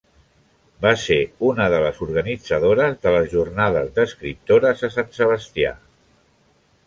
Va ser una de les organitzadores de les Jornades d'Escriptores a Sant Sebastià.